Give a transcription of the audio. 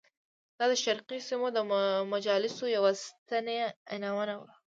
دا د شرقي سیمو د مجالسو یوه سنتي عنعنه وه.